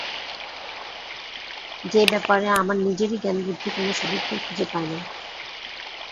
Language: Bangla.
যে ব্যাপারে আমার নিজেরই জ্ঞানবুদ্ধি কোনো সদুত্তর খুঁজে পায় না।